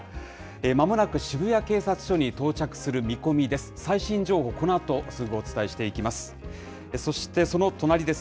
まもなく渋谷警察署に到着する見込みです。